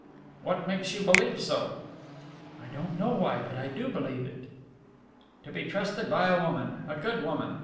"What makes you believe so?" "I don't know why, but I do believe it." "To be trusted by a woman, a good woman!